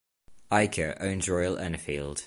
Eicher owns Royal Enfield.